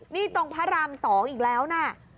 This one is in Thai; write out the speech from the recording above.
นี่ตรงพระราม๒อีกแล้วนะ